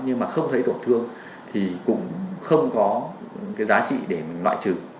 nhưng mà không thấy tổn thương thì cũng không có giá trị để mình ngoại trừ